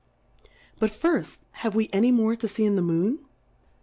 But firit, have we any more to fee in the Moon